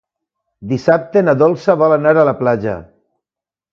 Dissabte na Dolça vol anar a la platja.